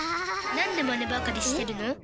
なんでマネばかりしてるの？